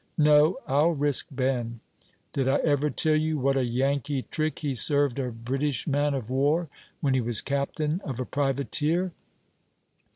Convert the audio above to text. No, I'll risk Ben. Did I ever tell you what a Yankee trick he served a British man of war, when he was captain of a privateer?"